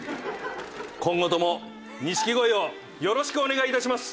今後とも錦鯉をよろしくお願いいたします。